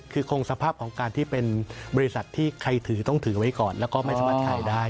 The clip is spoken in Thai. คือคงสภาพของการที่เป็นบริษัทที่ใครถือต้องถือไว้ก่อนแล้วก็ไม่สามารถขายได้